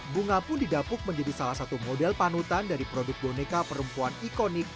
bunga pun didapuk menjadi salah satu model panutan dari produk boneka perempuan ikonik